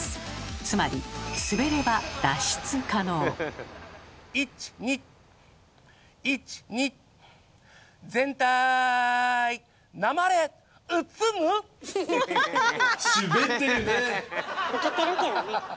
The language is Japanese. つまりウケてるけどね。